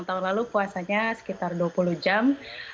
tahun lalu puasanya sekitar dua puluh jam